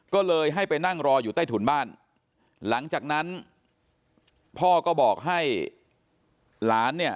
ก็เลยให้ไปนั่งรออยู่ใต้ถุนบ้านหลังจากนั้นพ่อก็บอกให้หลานเนี่ย